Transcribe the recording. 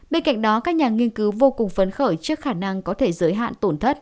bên cạnh đó các nhà nghiên cứu vô cùng phấn khởi trước khả năng có thể giới hạn tổn thất